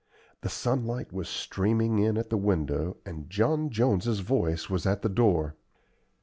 The sunlight was streaming in at the window and John Jones's voice was at the door.